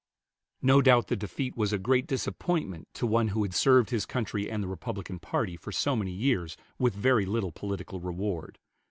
No doubt the defeat was a great disappointment to one who had served his country and the Republican party for so many years with very little political reward.